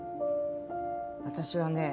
私はね